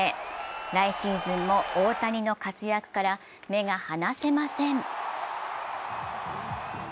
来シーズンも大谷の活躍から目が離せません。